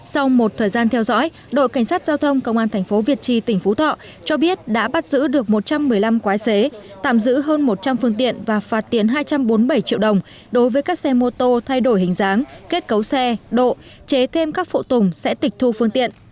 sau một thời gian theo dõi đội cảnh sát giao thông công an thành phố việt trì tỉnh phú thọ cho biết đã bắt giữ được một trăm một mươi năm quái xế tạm giữ hơn một trăm linh phương tiện và phạt tiền hai trăm bốn mươi bảy triệu đồng đối với các xe mô tô thay đổi hình dáng kết cấu xe độ chế thêm các phụ tùng sẽ tịch thu phương tiện